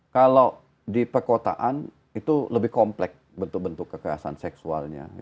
kalau di perkotaan itu lebih komplek bentuk bentuk kekerasan seksualnya